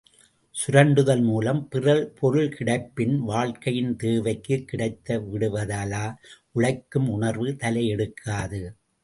சுரண்டுதல் மூலம் பிறர் பொருள்கிடைப்பின் வாழ்க்கையின் தேவைக்குக் கிடைத்து விடுவதால் உழைக்கும் உணர்வு தலையெடுக்காது.